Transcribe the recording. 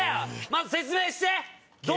まず説明して！